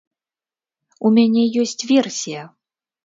У мяне ёсць версія.